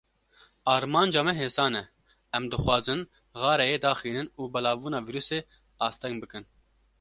Armanca me hêsan e, em dixwazin xareyê daxînin, û belavbûna vîrusê asteng bikin.